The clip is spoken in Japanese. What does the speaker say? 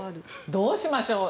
どうしましょう。